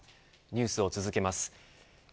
ニュースを続けます。